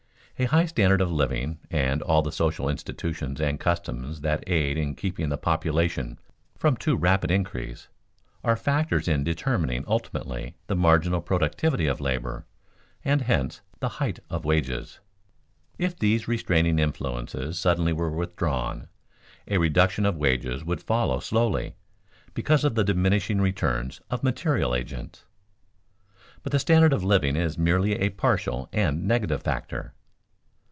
A high standard of living and all the social institutions and customs that aid in keeping the population from too rapid increase, are factors in determining ultimately the marginal productivity of labor and, hence, the height of wages. If these restraining influences suddenly were withdrawn, a reduction of wages would follow slowly because of the diminishing returns of material agents. But the standard of living is merely a partial and negative factor.